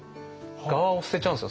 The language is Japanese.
ガワを捨てちゃうんですよ